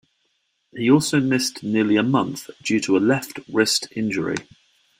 He also missed nearly a month due to a left wrist injury.